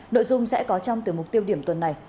nội dung sẽ có trong từ mục tiêu điểm tuần này